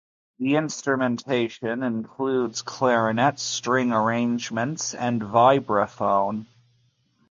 The instrumentation includes clarinet, string arrangements, and vibraphone.